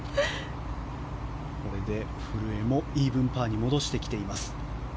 これで古江もイーブンパーに戻してきています。